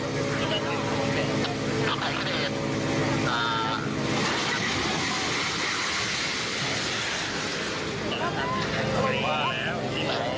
นะครับหมดเลยครับ